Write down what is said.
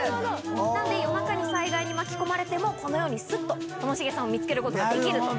なので夜中に災害に巻き込まれてもこのようにスッとともしげさんを見つけることができると。